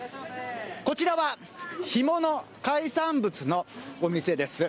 こちらは干物、海産物のお店です。